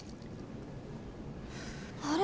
あれ？